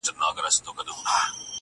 په ترخو کي یې لذت بیا د خوږو دی-